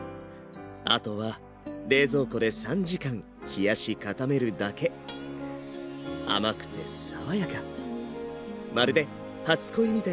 あとは冷蔵庫で３時間冷やし固めるだけなんてね。